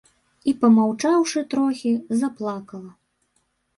І, памаўчаўшы трохі, заплакала.